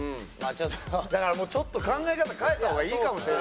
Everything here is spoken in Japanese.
だからちょっと考え方変えた方がいいかもしれないですよね。